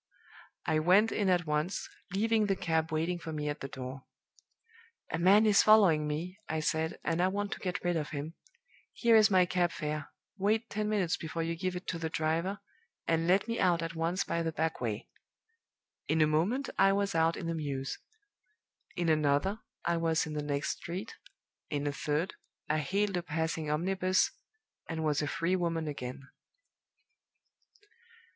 I went in at once, leaving the cab waiting for me at the door. 'A man is following me,' I said, 'and I want to get rid of him. Here is my cab fare; wait ten minutes before you give it to the driver, and let me out at once by the back way!' In a moment I was out in the mews; in another, I was in the next street; in a third, I hailed a passing omnibus, and was a free woman again.